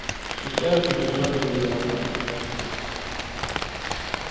She felt he could not do without her.